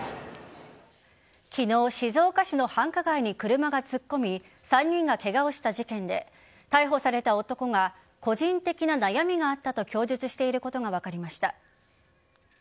昨日、静岡市の繁華街に車が突っ込み３人がケガをした事件で逮捕された男が個人的な悩みがあったと供述していることが分かりました。